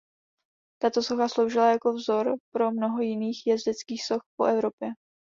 Tato socha sloužila jako vzor pro mnoho jiných jezdeckých soch po Evropě.